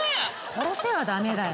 殺せはダメだよ。